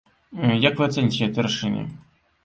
Як вы ацэніце гэтае рашэнне?